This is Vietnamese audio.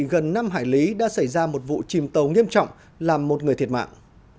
gần năm hải lý đã xảy ra một vụ chìm tàu nghiêm trọng làm một người thiệt mạng